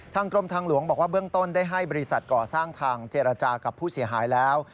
กรมทางหลวงบอกว่าเบื้องต้นได้ให้บริษัทก่อสร้างทางเจรจากับผู้เสียหายแล้ว